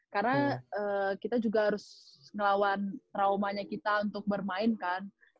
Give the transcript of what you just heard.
karena kita juga harus ngelawan traumanya kita untuk bermain kan